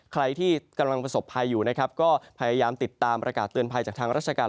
ใครที่กำลังประสบภัยอยู่นะครับก็พยายามติดตามประกาศเตือนภัยจากทางราชการ